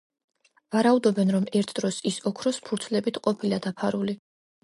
ვარაუდობენ, რომ ერთ დროს ის ოქროს ფურცლებით ყოფილა დაფარული.